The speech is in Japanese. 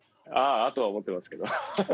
あーあとは思ってますけど。